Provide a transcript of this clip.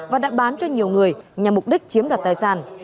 và đặt bán cho nhiều người nhằm mục đích chiếm đặt tài sản